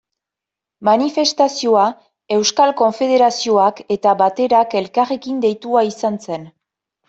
Manifestazioa Euskal Konfederazioak eta Baterak elkarrekin deitua izan zen.